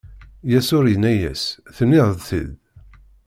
Yasuɛ inna-as: Tenniḍ-t-id!